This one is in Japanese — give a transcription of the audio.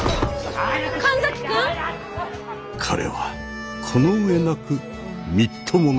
彼はこの上なくみっともなかった。